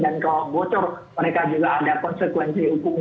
dan kalau bocor mereka juga ada konsekuensi hukum